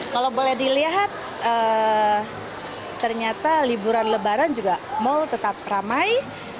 kalau boleh dilihat ternyata liburan lebaran juga mal tetap ramai